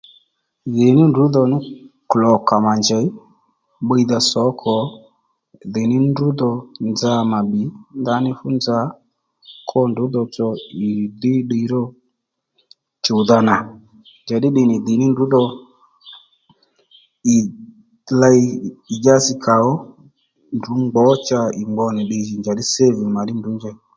Dhì ní ndrǔ dho nú klòkà mà njèy bbiydha sǒkò ndèymí ndrǔ dho nza mà bbi ndaní fú nza kwó ndrǔ tsotso ì dhí ddiy ró chùwdha nà njà ddí ddiy nì dhì ní ndrú dho ì ley ì dyási kà ó ndrǔ gbǒ cha ì gbò nì ddiy jì njàddí saving mà ddí ndrǔ njey